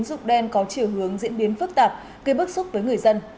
hội phạm tín dụng đen có chiều hướng diễn biến phức tạp khi bước xuất với người dân